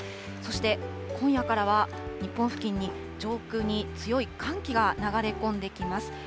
そして今夜からは、日本付近に上空に強い寒気が流れ込んできます。